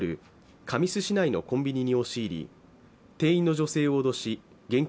神栖市内のコンビニに押し入り店員の女性を脅し現金